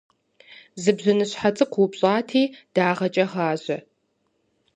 Зы бжьыныщхьэ цӏыкӏу упщӏати дагъэкӏэ гъажьэ.